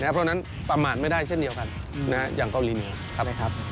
เพราะฉะนั้นประมาทไม่ได้เช่นเดียวกันอย่างเกาหลีเหนือใช่ไหมครับ